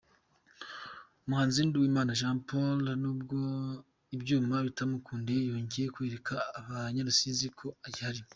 Umuhanzi Nduwimana Jean Paul n’ubwo ibyuma bitamukundiye yongeye kwereka abanyarusizi ko agihari.